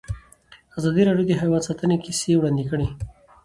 ازادي راډیو د حیوان ساتنه کیسې وړاندې کړي.